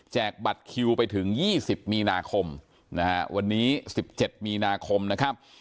บัตรคิวไปถึง๒๐มีนาคมนะฮะวันนี้๑๗มีนาคมนะครับ